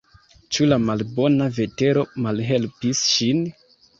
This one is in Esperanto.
Ĉu la malbona vetero malhelpis ŝin?